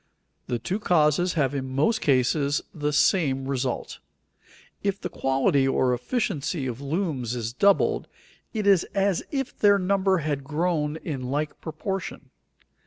The two causes have in most cases the same result. If the quality or efficiency of looms is doubled, it is as if their number had grown in like proportion.